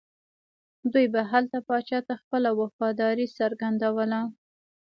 دوی به هلته پاچا ته خپله وفاداري څرګندوله.